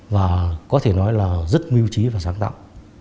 và có thể nói là rất mưu trí và sáng tạo